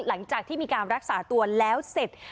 หลังจากที่มีการรักษาตัวแล้วเสร็จ